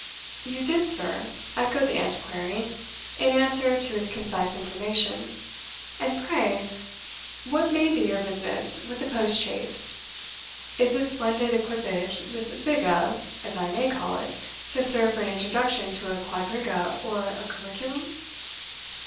"You did, sir?" echoed the Antiquary, in answer to his concise information. "And pray, what may be your business with a post chaise? Is this splendid equipage this biga, as I may call it to serve for an introduction to a quadriga or a curriculum?"